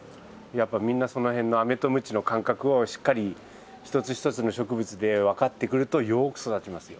やっぱみんなその辺のアメとムチの感覚をしっかり一つ一つの植物でわかってくるとよーく育ちますよ。